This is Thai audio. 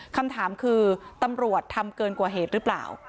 คำถามคือตำรวจทำเกินกว่าเหตุหรือเปล่า